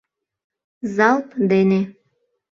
— Залп дене!